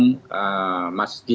bahwa memang tegas mendukung